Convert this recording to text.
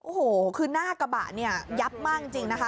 โอ้โหคือหน้ากระบะเนี่ยยับมากจริงนะคะ